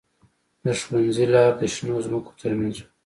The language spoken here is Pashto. د ښوونځي لاره د شنو ځمکو ترمنځ وه